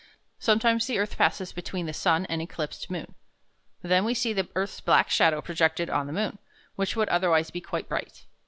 Sometimes the earth passes between the sun and eclipsed moon. Then we see the earth's black shadow projected on the moon, which would otherwise be quite bright.